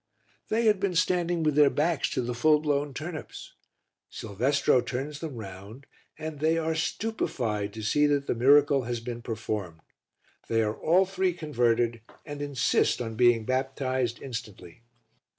They had been standing with their backs to the full blown turnips. Silvestro turns them round and they are stupefied to see that the miracle has been performed. They are all three converted and insist on being baptized instantly.